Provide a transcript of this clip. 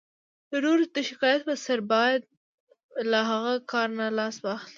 د نورو د شکایت په سر باید له هغه کار نه لاس واخلئ.